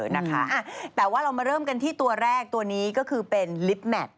นะคะแต่ว่าเรามาเริ่มกันที่ตัวแรกตัวนี้ก็คือเป็นลิฟต์แมท